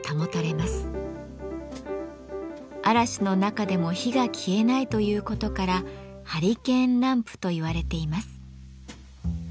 嵐の中でも火が消えないということから「ハリケーンランプ」といわれています。